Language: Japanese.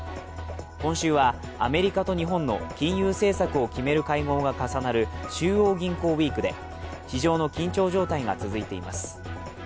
今週はアメリカと日本の金融政策を決める会合が重なる中央銀行ウィークで市場の緊張状態が続いています。